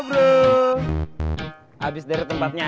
wante kertas aja